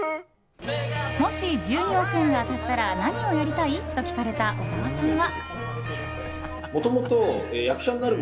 もし１２億円が当たったら何をやりたい？と聞かれた小澤さんは。